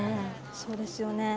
そうですよね。